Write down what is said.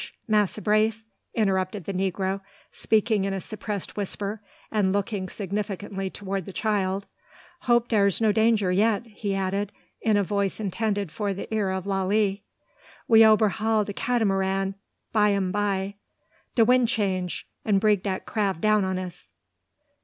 Massa Brace," interrupted the negro, speaking in a suppressed whisper, and looking significantly towards the child. "Hope dar 's no danger yet," he added, in a voice intended for the ear of Lalee. "We oberhaul de Catamaran by 'm by. De wind change, and bring dat craff down on us.